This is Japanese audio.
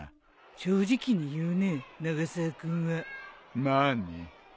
正直に言うね永沢君は。まあね。